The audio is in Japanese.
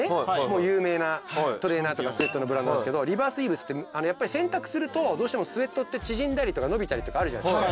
有名なトレーナーとかスエットのブランドなんですけどリバースウィーブって洗濯するとどうしてもスエットって縮んだりとか伸びたりとかあるじゃないですか。